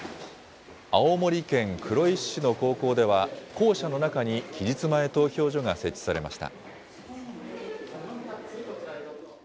青森県黒石市の高校では、校舎の中に期日前投票所が設置されました。